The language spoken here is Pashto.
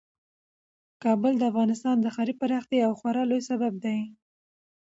کابل د افغانستان د ښاري پراختیا یو خورا لوی سبب دی.